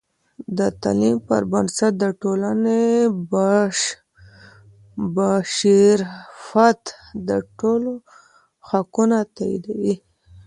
د تعلیم پر بنسټ د ټولنې پیشرفت د ټولو حقونه تاییدوي.